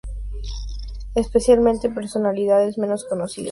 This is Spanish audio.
Especialmente a personalidades menos conocidas pero dignas de mención.